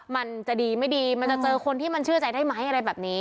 มันจะดีไม่ดีมันจะเจอคนที่มันเชื่อใจได้ไหมอะไรแบบนี้